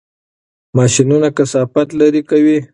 ماشینونه کثافات لرې کوي.